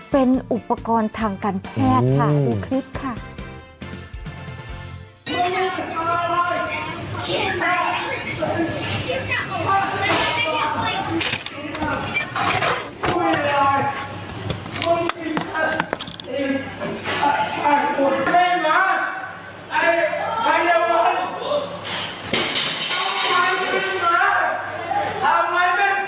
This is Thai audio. เป็นอุปกรณ์ทางการแพทย์ค่ะดูคลิปค่ะ